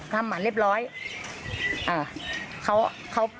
ทำหมาเรียบร้อย